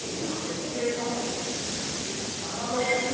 決定かもな。